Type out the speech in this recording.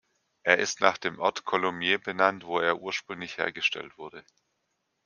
Er ist nach dem Ort Coulommiers benannt, wo er ursprünglich hergestellt wurde.